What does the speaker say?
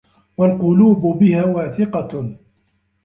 وَالْقُلُوبَ بِهَا وَاثِقَةٌ